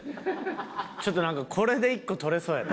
ちょっとなんかこれで１個撮れそうやな。